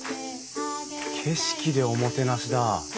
景色でおもてなしだ。